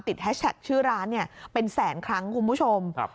แฮชแท็กชื่อร้านเนี่ยเป็นแสนครั้งคุณผู้ชม